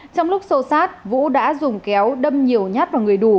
trong lúc xô sát vũ đã dùng kéo đâm nhiều nhát vào người đủ